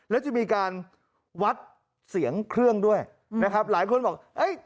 แล้วจะมีการวัดเสียงเครื่องด้วยนะครับหลายคนบอกเอ้ย